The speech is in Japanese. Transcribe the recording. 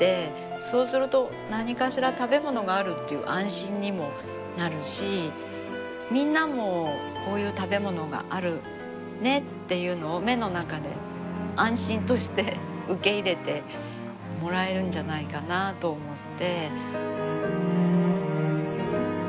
そうすると何かしら食べ物があるっていう安心にもなるしみんなもこういう食べ物があるねっていうのを目の中で安心として受け入れてもらえるんじゃないかなと思って。